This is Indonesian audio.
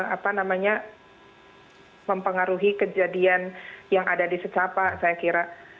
apa namanya mempengaruhi kejadian yang ada di secapa saya kira